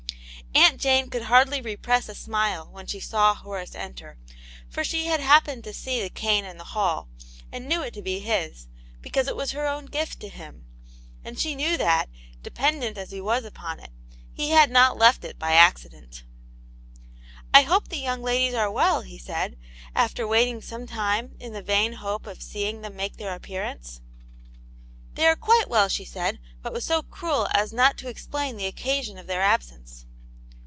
Aunt Jane could hardly repress a smile when she saw Horace enter, for she had happened to see the cane in the hall, and knew it to be his, because it was her own gift to him, and she knew that, dependent as he was upon it, he had not left it by accident. " I hope the young ladies are well," he said, after waiting some time in the vain hope of seeing them make their appearance. " They are quite well," she said, but was so crud as not to explain the occasion of their absence.